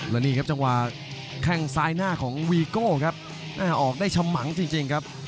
และนี่ครับจังหวะแข้งซ้ายหน้าของวีโก้ครับออกได้ฉมังจริงครับ